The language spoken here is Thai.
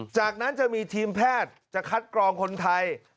จากนั้นจะมีทีมแพทย์จะคัดกรองคนไทย